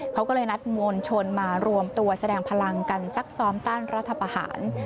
เขาก็เลยนัดมวลชนมารวมตัวแสดงพลังกันซักซ้อมต้านรัฐประหาร